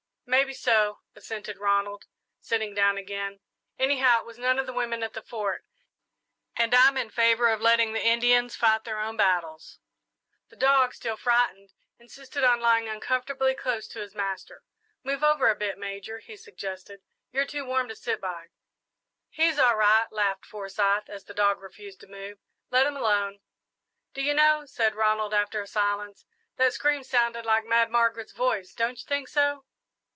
"Maybe so," assented Ronald, sitting down again. "Anyhow, it was none of the women at the Fort, and I'm in favour of letting the Indians fight their own battles." The dog, still frightened, insisted on lying uncomfortably close to his master. "Move over a bit, Major," he suggested; "you're too warm to sit by." "He's all right," laughed Forsyth, as the dog refused to move; "let him alone." "Do you know," said Ronald, after a silence, "that scream sounded like Mad Margaret's voice. Don't you think so?"